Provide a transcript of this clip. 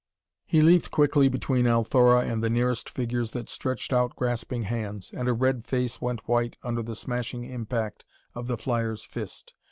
He leaped quickly between Althora and the nearest figures that stretched out grasping hands, and a red face went white under the smashing impact of the flyer's fist.